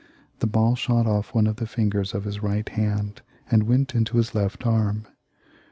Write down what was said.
The ball shot ofif one of the fingers of his right hand, and went into his left arm.